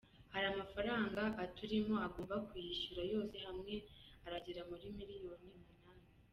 Hari amafaranga aturimo agomba kuyishyura, yose hamwe aragera muri miyoni umunani”.